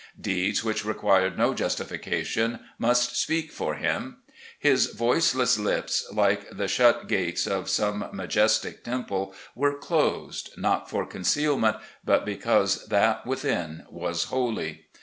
Deeds which required no justification must speak for him. His voiceless lips, like the shut gates of some majes tic temple, were closed, not for concealment, but because that within was holy.